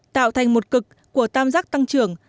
tạo thành một cực của tam giác tăng trưởng